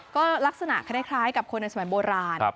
ก็ลักษณะคล้ายกับคนในสมัยโบราณ